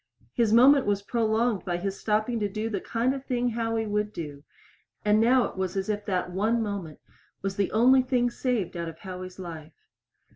His moment was prolonged by his stopping to do the kind of thing Howie would do, and now it was as if that one moment was the only thing saved out of Howie's life.